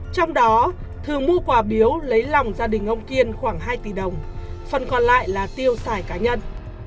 trong đó thường mua quà biếu lấy lòng gia đình ông kiên khoảng hai tỷ đồng phần còn lại là tiêu xài cá nhân